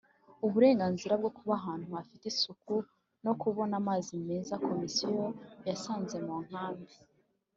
Uburenganzira bwo kuba ahantu hafite isuku no kubona amazi meza Komisiyo yasanze mu nkambi